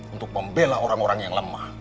untuk membela orang orang yang lemah